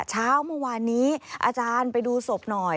เช้าเมื่อวานนี้อาจารย์ไปดูศพหน่อย